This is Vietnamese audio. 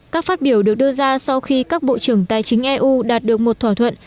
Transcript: các phát biểu được đưa ra sau khi các bộ trưởng tài chính eu đạt được một thỏa thuận